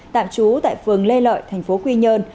tạm trú tại phường lê lợi tp quy nhơn